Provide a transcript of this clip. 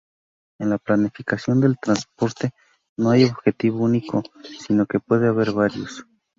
En la planificación de transporte no hay objetivo único, sino que puede haber varios.